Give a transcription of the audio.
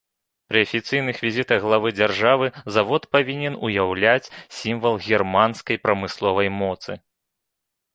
Пры афіцыйных візітах главы дзяржавы завод павінен уяўляць сімвал германскай прамысловай моцы.